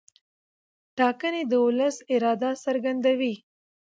ټاکنې د ولس اراده څرګندوي